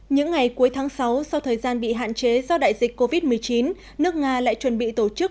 những ngày cuối tháng sáu sau thời gian bị hạn chế do đại dịch covid một mươi chín nước nga lại chuẩn bị tổ chức